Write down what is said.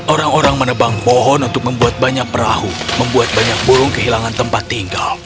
orang orang menebang pohon untuk membuat banyak perahu membuat banyak burung kehilangan tempat tinggal